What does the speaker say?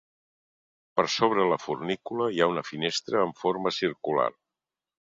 Per sobre la fornícula hi ha una finestra amb forma circular.